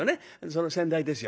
その先代ですよ。